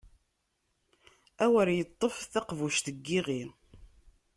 Awer iṭṭef taqbuc n yiɣi!